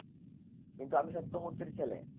কিন্তু আমি সত্যমূর্তির ছেলে।